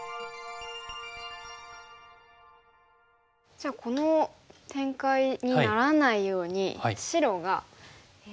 じゃあこの展開にならないように白が４手目で。